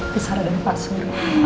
bu sarah dan pak surya